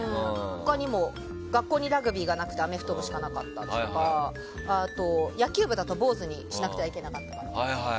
他にも学校にラグビーがなくてアメフトしかなかったとか野球部だと坊主にしないといけなかったとか。